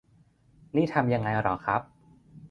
นี่ทำยังไงหรอครับ : ?